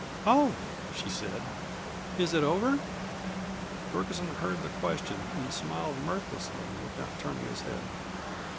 "Oh!" she said, "is it over?" Ferguson heard the question, and smiled mirthlessly without turning his head.